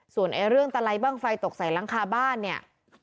ส่วนเรื่องตะไลบ้างไฟตกใส่หลังคาบ้านเนี่ย